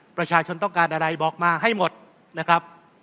ประชาชนต้องการอะไรบอกมาให้หมดนะครับ